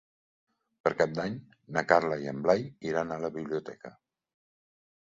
Per Cap d'Any na Carla i en Blai iran a la biblioteca.